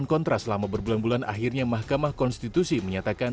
dan kontra selama berbulan bulan akhirnya mahkamah konstitusi menyatakan